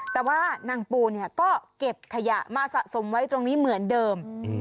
แต่ว่านางปูเนี่ยก็เก็บขยะมาสะสมไว้ตรงนี้เหมือนเดิม